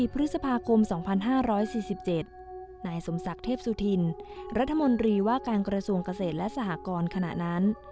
พฤษภาคม๒๕๔๗นายสมศักดิ์เทพสุธินรัฐมนตรีว่าการกระทรวงเกษตรและสหกรขณะนั้น